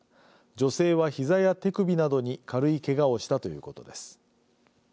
女性は、ひざや手首などに軽いけがをしたということです。